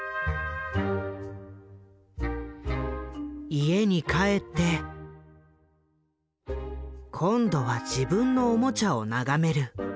家に帰って今度は自分のおもちゃを眺める。